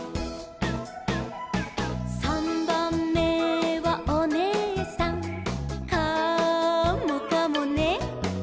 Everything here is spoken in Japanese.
「さんばんめはおねえさん」「カモかもね」